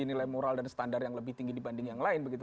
nilai moral dan standar yang lebih tinggi dibanding yang lain begitu